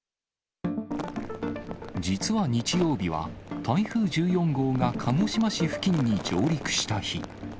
実は日曜日は、台風１４号が鹿児島市付近に上陸した日。